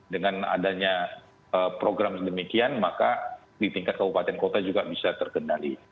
dengan adanya program sedemikian maka di tingkat kabupaten kota juga bisa terkendali